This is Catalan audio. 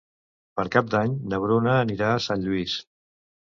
Per Cap d'Any na Bruna anirà a Sant Lluís.